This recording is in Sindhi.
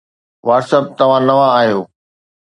WhatsApp توهان نوان آهيو